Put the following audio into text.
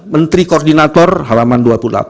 menteri koordinator halaman dua puluh delapan